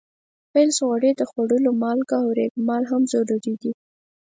پنس، غوړي، د خوړلو مالګه او ریګ مال هم ضروري دي.